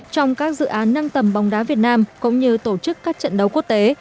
trong các dự án nâng tầm bóng đá việt nam cũng như tổ chức các trận đấu quốc tế